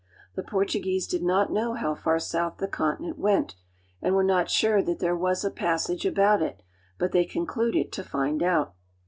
The Portu guese did not know how far south the continent went, and were not sure that there was a passage about it, but they concluded to find out.